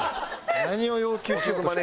何を要求しようとしてんの？